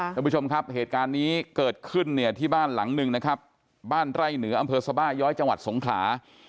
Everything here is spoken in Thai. ท่านผู้ชมครับเหตุการณ์นี้เกิดขึ้นเนี่ยที่บ้านหลังหนึ่งนะครับบ้านไร่เหนืออำเภอสบาย้อยจังหวัดสงขลา